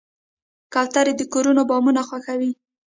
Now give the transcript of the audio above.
کوترې د کورونو بامونه خوښوي.